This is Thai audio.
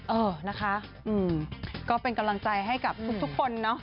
เออนะคะก็เป็นกำลังใจให้กับทุกคนเนาะ